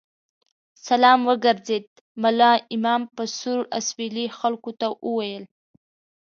سلام وګرځېد، ملا امام په سوړ اسوېلي خلکو ته وویل.